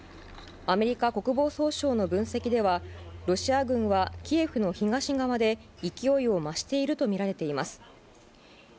アメリカ国防総省の分析ではロシア軍はキエフの東側で勢いを増しているとみられています。